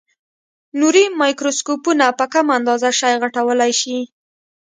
نوري مایکروسکوپونه په کمه اندازه شی غټولای شي.